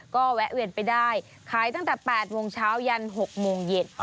ก็แวะเวียนไปได้ขายตั้งแต่๘โมงเช้ายัน๖โมงเย็น